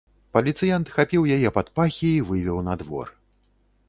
Паліцыянт хапіў яе пад пахі і вывеў на двор.